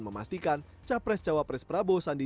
memastikan capres cawapres prabowo sandi